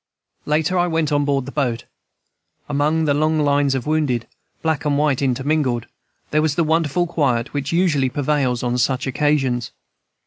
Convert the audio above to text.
"Later, I went on board the boat. Among the long lines of wounded, black and white intermingled, there was the wonderful quiet which usually prevails on such occasions.